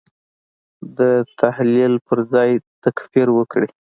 د تحلیل پر ځای تکفیر وکړي.